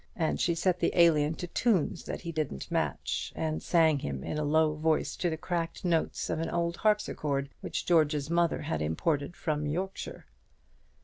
And she set the Alien to tunes that he didn't match, and sang him in a low voice to the cracked notes of an old harpsichord which George's mother had imported from Yorkshire.